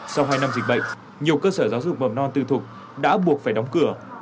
sau hai năm dịch bệnh nhiều cơ sở giáo dục mầm non tư thục đã buộc phải đóng cửa